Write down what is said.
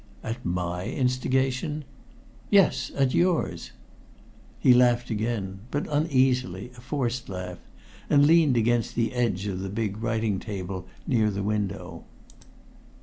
"At my instigation?" "Yes, at yours!" He laughed again, but uneasily, a forced laugh, and leaned against the edge of the big writing table near the window.